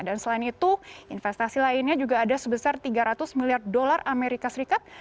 dan selain itu investasi lainnya juga ada sebesar tiga ratus miliar dolar amerika serikat